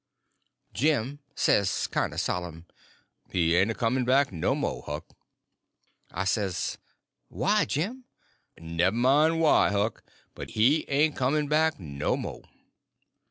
Jim says, kind of solemn: "He ain't a comin' back no mo', Huck." I says: "Why, Jim?" "Nemmine why, Huck—but he ain't comin' back no mo."